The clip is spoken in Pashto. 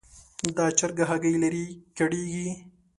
دا چرګه هګۍ لري؛ کړېږي.